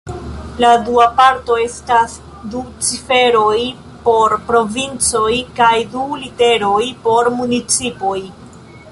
La dua parto estas du ciferoj por provincoj kaj du literoj por municipoj.